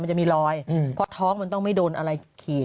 มันจะมีรอยเพราะท้องมันต้องไม่โดนอะไรขีด